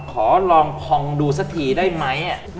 ขอลองพองดูสักทีได้ไหม